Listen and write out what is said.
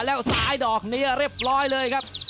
แล้วสายดอกเนียร์เรียบร้อย